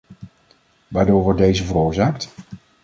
Waardoor wordt deze veroorzaakt?